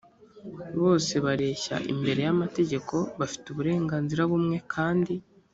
bose bareshya imbere y amategeko bafite uburenganzira bumwe kandi